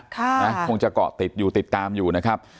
คงจะเกาะติดอยู่ติดตามอยู่นะครับ